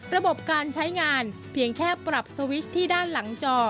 ระบบการใช้งานเพียงแค่ปรับสวิชที่ด้านหลังจอ